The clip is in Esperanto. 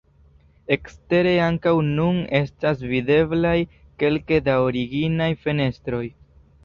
Ekstere ankaŭ nun estas videblaj kelke da originaj fenestroj.